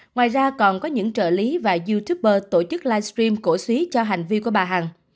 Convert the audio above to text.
ngoài ra còn có những trợ lý và youtuber tổ chức livestream cổ suý cho hành vi của bà hằng